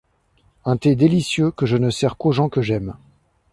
Un thé délicieux que je ne sers qu'aux gens que j'aime.